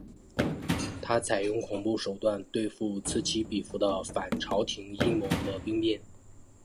他采用恐怖手段对付此起彼伏的反朝廷阴谋和兵变。